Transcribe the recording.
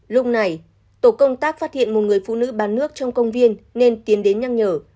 lúc này tổ công tác phát hiện một người phụ nữ bán nước trong công viên nên tiến đến nhắc nhở